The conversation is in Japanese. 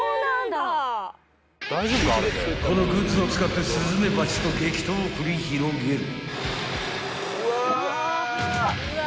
［このグッズを使ってスズメバチと激闘を繰り広げる］